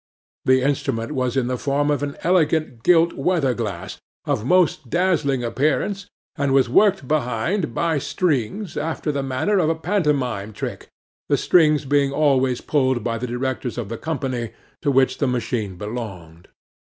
The instrument was in the form of an elegant gilt weather glass, of most dazzling appearance, and was worked behind, by strings, after the manner of a pantomime trick, the strings being always pulled by the directors of the company to which the machine belonged.